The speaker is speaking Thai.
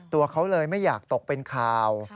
ตัวเขาเลยไม่อยากตกเป็นข่าว